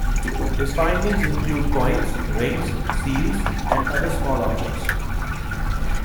His findings include coins, rings, seals and other small objects.